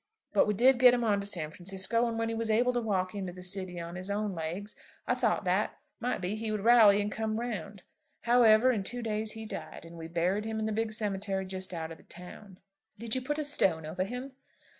But we did get him on to San Francisco; and when he was able to walk into the city on his own legs, I thought that, might be, he would rally and come round. However, in two days he died; and we buried him in the big cemetery just out of the town." "Did you put a stone over him?"